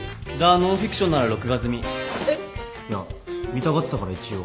いや見たがってたから一応。